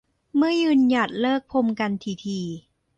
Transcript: เมื่อยืนหยัดเลิกพรมกันถี่ถี่